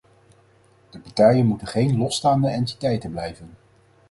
De partijen moeten geen losstaande entiteiten blijven.